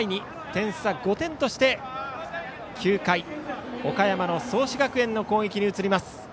点差、５点として９回、岡山の創志学園の攻撃です。